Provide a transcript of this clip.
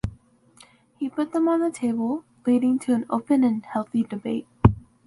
He put them on the table, leading to an open and healthy debate.